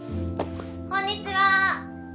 ・こんにちは！